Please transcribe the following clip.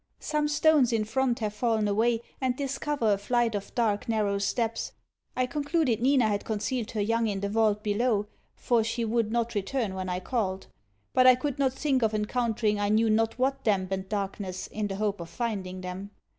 Some stones in front have falled away and discover a flight of dark narrow steps, I concluded Nina had concealed her young in the vault below, for she would not return when I called: but I could not think of encountering I knew not what damp and darkness in the hope of finding them.